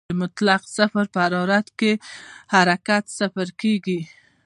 د مطلق صفر په حرارت کې حرکت صفر کېږي.